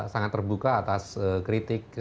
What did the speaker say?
sangat terbuka atas kritik